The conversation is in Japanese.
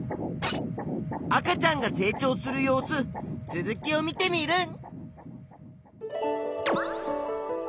赤ちゃんが成長する様子続きを見テミルン！